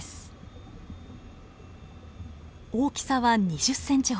大きさは２０ｃｍほど。